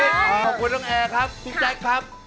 ขอบคุณน้องแอร์ครับคุณแจ๊คครับ